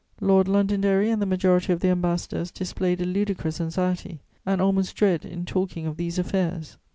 Lord Londonderry and the majority of the ambassadors displayed a ludicrous anxiety and almost dread in talking of these affairs.